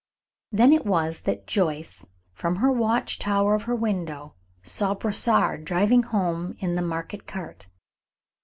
Then it was that Joyce, from her watch tower of her window, saw Brossard driving home in the market cart.